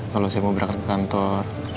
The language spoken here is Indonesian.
kalau saya mau berangkat ke kantor